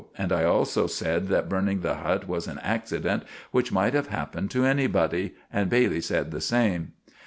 And I also sed that burning the hut was an axsident which might have happened to anybody. And Bailey sed the same.